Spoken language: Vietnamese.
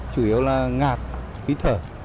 chủ yếu là ngạt khí thở